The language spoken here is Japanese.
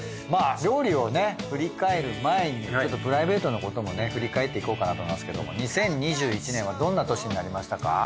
まあ料理をね振り返る前にちょっとプライベートなこともね振り返っていこうかなと思いますけども２０２１年はどんな年になりましたか？